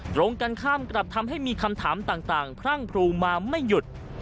ตรงกันข้ามกลับทำให้มีคำถามต่างพรั่งพรูมาไม่หยุด